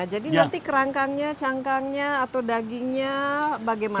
jadi nanti kerangkangnya cangkangnya atau dagingnya bagaimana